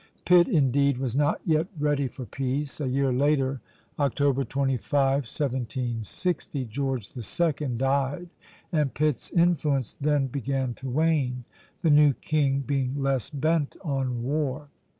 Pitt, indeed, was not yet ready for peace. A year later, October 25, 1760, George II. died, and Pitt's influence then began to wane, the new king being less bent on war.